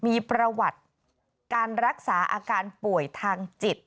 มีประวัติการรักษาอาการป่วยทางจิต